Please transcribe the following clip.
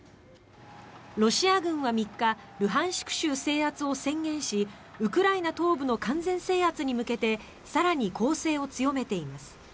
ロシア軍は３日ルハンシク州制圧を宣言しウクライナ東部の完全制圧に向けて更に攻勢を強めています。